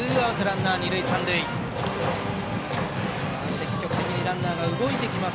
積極的にランナーが動いてきます